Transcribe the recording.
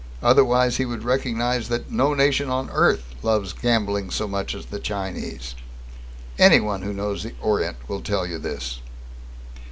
Otherwise, he would realize that no nation on earth loves gambling so much as the Chinese. Anyone who knows the Orient will tell you this."